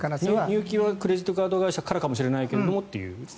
入金はクレジットカード会社からかもしれないけどと。